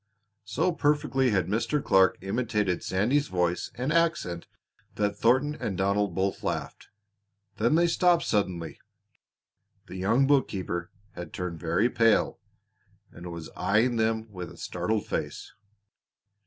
'" So perfectly had Mr. Clark imitated Sandy's voice and accent that Thornton and Donald both laughed. Then they stopped suddenly. The young bookkeeper had turned very pale and was eying them with a startled face.